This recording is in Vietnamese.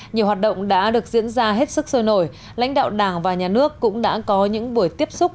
nhiều hoạt động đã được diễn ra hết sức sôi nổi lãnh đạo đảng và nhà nước cũng đã có những buổi tiếp xúc